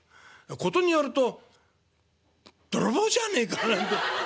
事によると泥棒じゃねえかなんて」。